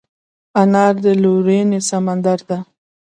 انا د لورینې سمندر ده